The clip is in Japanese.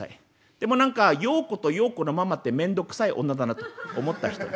でも何かようことようこのママって面倒くさい女だなと思った人。